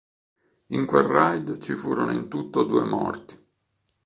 In quel Raid ci furono in tutto due morti.